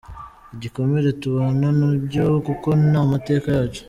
Ibikomere tubana nabyo kuko ni amateka yacu.”